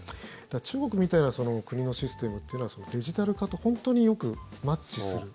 中国みたいな国のシステムというのはデジタル化と本当によくマッチする。